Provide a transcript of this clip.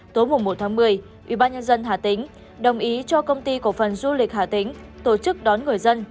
tối một tháng một mươi ubnd hà tĩnh đồng ý cho công ty cổ phần du lịch hà tĩnh tổ chức đón người dân